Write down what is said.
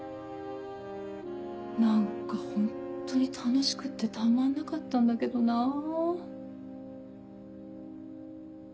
何かホントに楽しくってたまんなかったんだけどなぁ。